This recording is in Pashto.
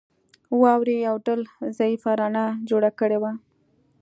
واورې یو ډول ضعیفه رڼا جوړه کړې وه